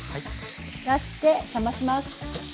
出して冷まします。